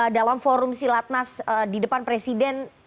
dalam forum silatnas di depan presiden